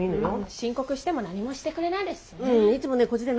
申告しても何もしてくれないですしね。